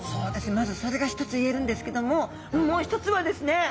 まずそれが一つ言えるんですけどももう一つはですね